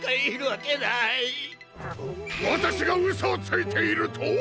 わたしがうそをついていると？